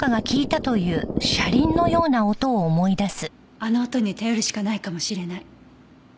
あの音に頼るしかないかもしれない。